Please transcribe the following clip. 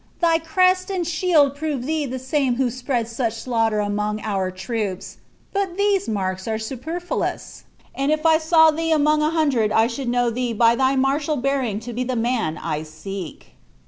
Thy crest and shield prove thee the same who spread such slaughter among our troops. But these marks are superfluous, and if I saw thee among a hundred I should know thee by thy martial bearing to be the man I seek."